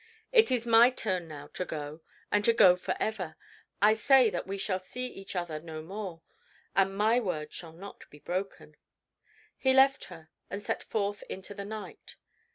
It is my turn now to go, and to go forever. I say that we shall see each other no more, and my word shall not be broken." He left her, and set forth into the night.